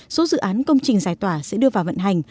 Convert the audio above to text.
số dự án công trình giải tỏa sẽ đưa vào vận hành